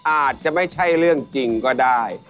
อาจจะไม่ใช่เรื่องจริงก็ได้